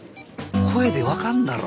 声でわかんだろ。